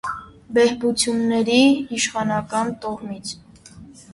Բեհբությանների իշխանական տոհմից։